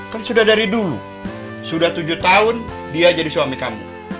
kan sudah dari dulu sudah tujuh tahun dia jadi suami kamu